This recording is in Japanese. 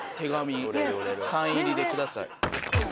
サイン入りで下さい。